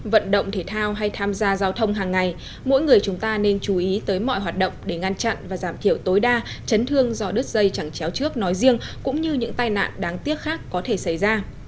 vận động thể thao hay tham gia giao thông hàng ngày mỗi người chúng ta nên chú ý tới mọi hoạt động để ngăn chặn và giảm thiểu tối đa chấn thương do đứt dây chẳng chéo trước nói riêng cũng như những tai nạn đáng tiếc khác có thể xảy ra